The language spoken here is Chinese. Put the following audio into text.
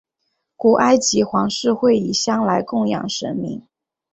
古埃及皇室会以香来供养神明。